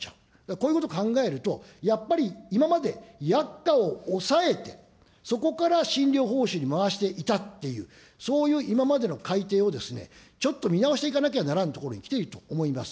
こういうこと考えると、やっぱり今まで薬価を抑えて、そこから診療報酬に回していたっていう、そういう今までの改定を、ちょっと見直していかなきゃならんところにきていると思います。